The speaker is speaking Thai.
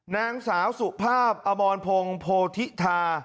นางสาวสุภาพอมรพงศ์โพธิธา